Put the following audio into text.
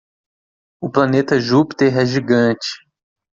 O planeta Júpiter é gigante.